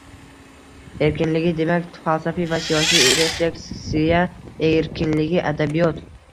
erkinligi, demak, falsafiy va siyosiy refleksiya erkinligi, adabiyot